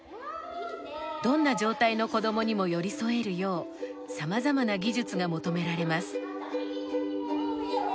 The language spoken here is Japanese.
どんな状態の子どもにも寄り添えるよう様々な技術が求められます。